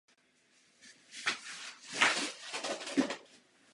Chtěl bych tedy přednést tři návrhy.